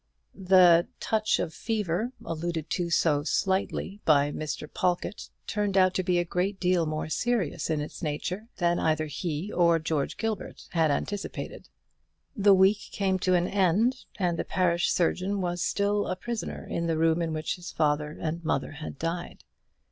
The "touch of the fever," alluded to so lightly by Mr. Pawlkatt, turned out to be a great deal more serious in its nature than either he or George Gilbert had anticipated. The week came to an end, and the parish surgeon was still a prisoner in the room in which his father and mother had died.